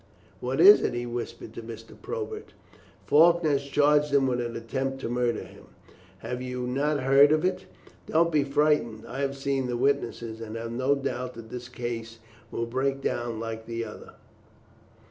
"What is it?" he whispered to Mr. Probert. "Faulkner has charged him with an attempt to murder him. Have you not heard of it? Don't be frightened. I have seen the witnesses, and have no doubt that this case will break down like the other."